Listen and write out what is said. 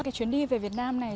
cái chuyến đi về việt nam này